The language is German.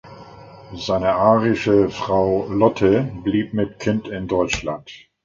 Seine arische Frau Lotte blieb mit Kind in Deutschland.